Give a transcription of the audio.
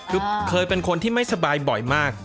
คือเคยเป็นคนที่ไม่สบายบ่อยมาก